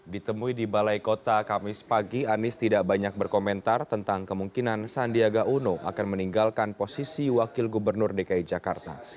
ditemui di balai kota kamis pagi anies tidak banyak berkomentar tentang kemungkinan sandiaga uno akan meninggalkan posisi wakil gubernur dki jakarta